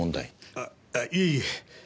あっいえいえ。